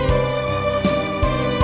kalau kamu n outlets